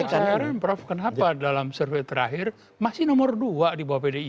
tapi pak arun prof kenapa dalam survei terakhir masih nomor dua di bopdi